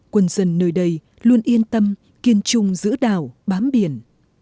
quân dân nơi đây luôn yên tâm kiên trung giữa đảo bám biển